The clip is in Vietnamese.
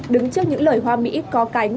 đứng trước những lời hoa mỹ có cánh